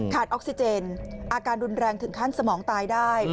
ออกซิเจนอาการรุนแรงถึงขั้นสมองตายได้